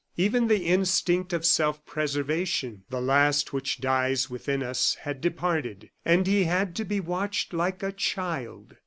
Even the instinct of self preservation, the last which dies within us, had departed, and he had to be watched like a child.